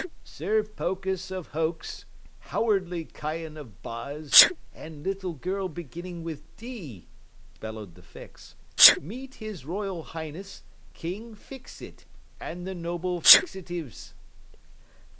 "Sir Pokus of Hoax, Howardly Kion of Boz, and Little Girl Beginning with D," bellowed the Fix, "meet His Royal Highness, King Fix It, and the noble Fixitives."